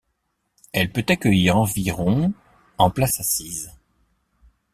Elle peut accueillir environ en places assises.